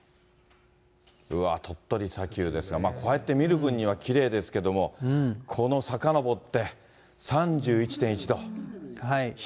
うわ、鳥取砂丘ですが、こうやって見る分にはきれいですけども、この坂上って、３１．１度。